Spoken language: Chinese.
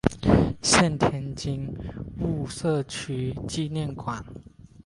现为天津觉悟社纪念馆。